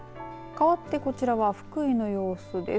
かわってこちらは福井の様子です。